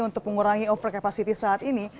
untuk mengurangi over capacity saat ini